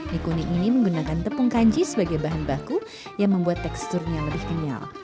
mie kuning ini menggunakan tepung kanci sebagai bahan baku yang membuat teksturnya lebih kenyal